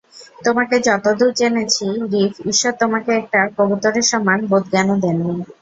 তোমাকে যতদূর জেনেছি, রিফ, ইশ্বর তোমাকে একটা কবুতরের সমান বোধজ্ঞানও দেননি।